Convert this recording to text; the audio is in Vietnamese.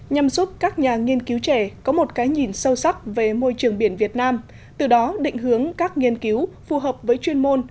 nhằm giúp các nhà nghiên cứu trẻ có một cái nhìn sâu sắc về môi trường biển việt nam từ đó định hướng các nghiên cứu phù hợp với chuyên môn